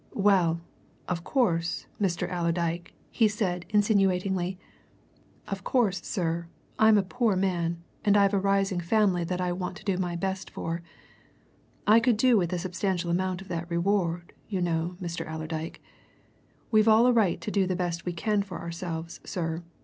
"Well, of course, Mr. Allerdyke," he said insinuatingly. "Of course, sir, I'm a poor man, and I've a rising family that I want to do my best for. I could do with a substantial amount of that reward, you know, Mr. Allerdyke. We've all a right to do the best we can for ourselves, sir.